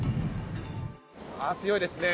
強いですね。